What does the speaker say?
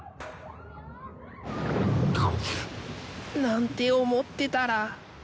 なんて思ってたら